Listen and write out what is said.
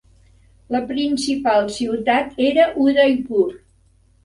La principal ciutat era Udaipur.